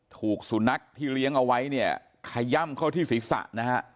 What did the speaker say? ถูกสุนัขที่เลี้ยงเอาไว้เนี่ยขย่ำเข้าที่ศีรษะนะฮะ